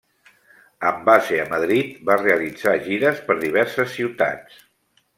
Amb base a Madrid va realitzar gires per diverses ciutats.